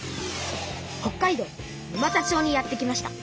北海道沼田町にやって来ました。